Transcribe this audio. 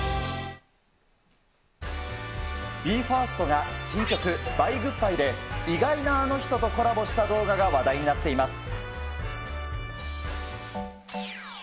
ＢＥ：ＦＩＲＳＴが、新曲、ＢｙｅーＧｏｏｄーＢｙｅで意外なあの人とコラボした動画が話題になっています。